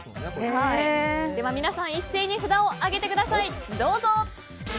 では、一斉に札を上げてください。